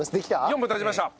４分経ちました。